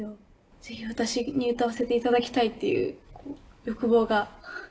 ぜひ私に歌わせていただきたいっていう欲望が。